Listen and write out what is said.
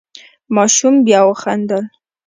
ماشوم بیا وخندل.